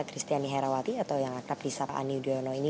kristiani herawati atau yang akrab di sapa ani yudhoyono ini